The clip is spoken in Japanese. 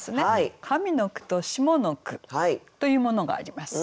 上の句と下の句というものがあります。